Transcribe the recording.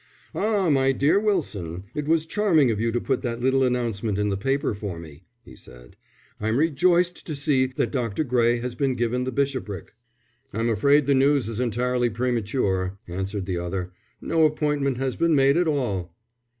"Ah, my dear Wilson, it was charming of you to put that little announcement in the paper for me," he said. "I'm rejoiced to see that Dr. Gray has been given the bishopric." "I'm afraid the news is entirely premature," answered the other. "No appointment has been made at all."